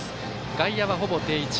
外野は、ほぼ定位置。